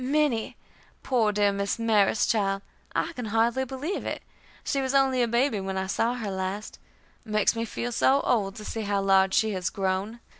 "Minnie! Poor dear Miss Mary's child! I can hardly believe it. She was only a baby when I saw her last. It makes me feel old to see how large she has grown.